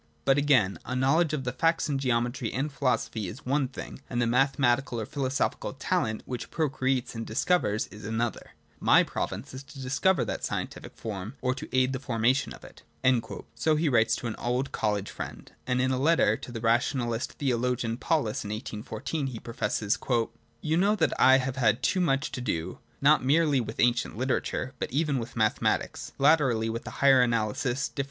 But again, a knowledge of the facts in geometry and philosophy is one thing, and the mathematical or philosophical talent which procreates and discovers is another : my province is to discover that scientific form, or to aid in the forma tion of it ^' So he writes to an old college friend ; and in a letter to the rationalist theologian Paulus, in 1814^ he professes: 'You know that I have had too much to do not merely with ancient literature, but even with mathematics, latterly with the higher analysis, dififeren ■ Hegel's Bricfe, i. 328. ^ Rid. i. 273. s ^^^^;^^^ OF THE ENCYCLOPAEDIA.